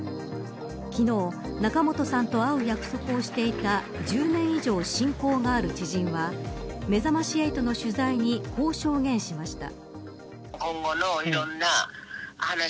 昨日仲本さんと会う約束をしていた１０年以上親交がある知人はめざまし８の取材にこう証言しました。